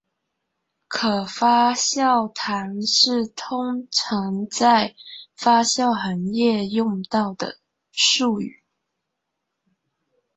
可发酵糖是通常在发酵行业用到的术语。